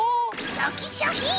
シャキシャキン！